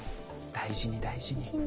大事に大事に。